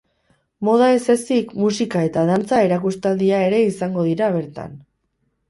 Moda ez ezik, musika eta dantza erakustaldia ere izango dira bertan.